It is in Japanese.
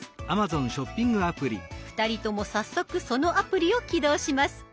２人とも早速そのアプリを起動します。